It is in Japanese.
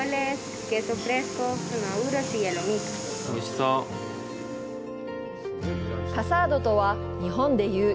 おいしそう。